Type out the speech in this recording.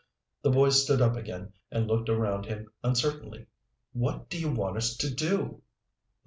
The boy stood up again and looked around him uncertainly. "What do you want us to do?"